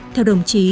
theo đồng chí